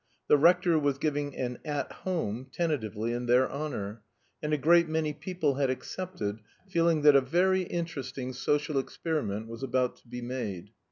The rector was giving an "At Home" (tentatively) in their honor; and a great many people had accepted, feeling that a very interesting social experiment was about to be made.